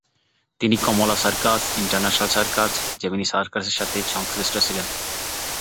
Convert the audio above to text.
তিনি Kamala circus, international circus, Gemini সার্কাসের সাথে সংশ্লিষ্ট ছিলেন।